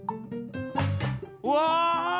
うわ！